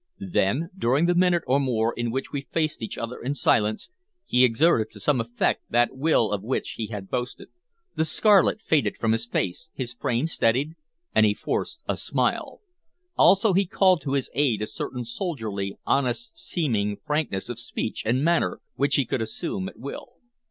Then, during the minute or more in which we faced each other in silence, he exerted to some effect that will of which he had boasted. The scarlet faded from his face, his frame steadied, and he forced a smile. Also he called to his aid a certain soldierly, honest seeming frankness of speech and manner which he could assume at will.